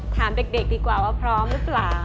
ถามเด็กดีกว่าว่าพร้อมหรือเปล่า